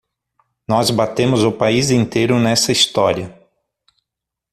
Nós batemos o país inteiro nessa história.